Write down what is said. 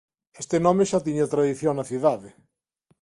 Este nome xa tiña tradición na cidade.